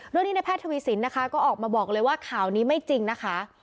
ในแพทย์ทวีสินนะคะก็ออกมาบอกเลยว่าข่าวนี้ไม่จริงนะคะ